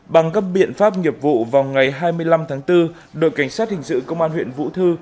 bằng các biện pháp nghiệp vụ vào ngày hai mươi năm tháng bốn đội cảnh sát hình sự công an huyện vũ thư